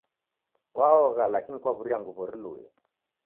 Kwaogha lakini kwaw'uria nguw'o riluye.